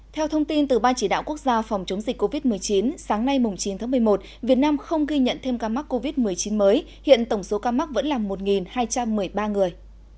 theo thông tin từ ban chỉ đạo quốc gia phòng chống dịch covid một mươi chín sáng nay chín tháng một mươi một việt nam không ghi nhận thêm ca mắc covid một mươi chín mới hiện tổng số ca mắc vẫn là một hai trăm một mươi ba người